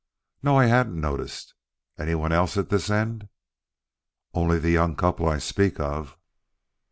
"No, I hadn't noticed. Anyone else at this end?" "Only the young couple I speak of."